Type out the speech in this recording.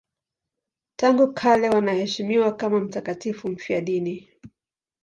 Tangu kale wanaheshimiwa kama mtakatifu mfiadini.